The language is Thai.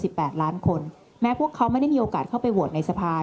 แปดล้านคนแม้พวกเขาไม่ได้มีโอกาสเข้าไปโหวตในสภา